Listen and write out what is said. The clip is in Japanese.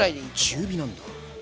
中火なんだ。